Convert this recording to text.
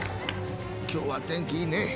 今日は天気いいね。